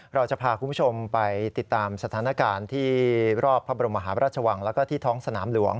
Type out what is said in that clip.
เราจะพาคุณผู้ชมไปติดตามสถานการณ์ที่รอบพระบรมหาพระราชวังแล้วก็ที่ท้องสนามหลวง